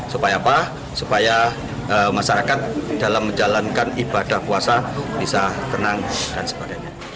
supaya apa supaya masyarakat dalam menjalankan ibadah puasa bisa tenang dan sebagainya